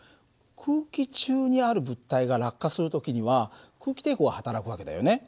空気中にある物体が落下する時には空気抵抗がはたらく訳だよね。